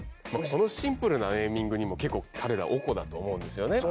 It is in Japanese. このシンプルなネーミングにも結構彼らおこだと思うんです。